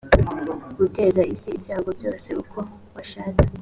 guteza isi ibyago byose uko bashatse